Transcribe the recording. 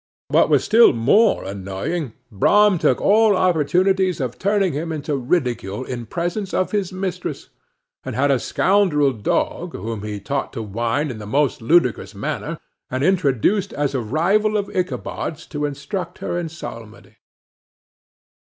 But what was still more annoying, Brom took all opportunities of turning him into ridicule in presence of his mistress, and had a scoundrel dog whom he taught to whine in the most ludicrous manner, and introduced as a rival of Ichabod's, to instruct her in psalmody.